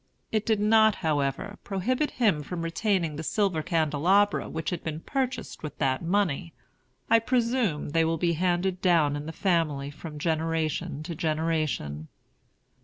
It did not, however, prohibit him from retaining the silver candelabra which had been purchased with that money. I presume they will be handed down in the family from generation to generation.